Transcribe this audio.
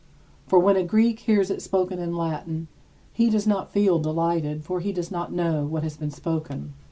For when a Greek hears it spoken in Latin, he does not feel delighted, for he does not know what has been spoken.